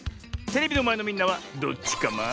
テレビのまえのみんなはどっちカマ？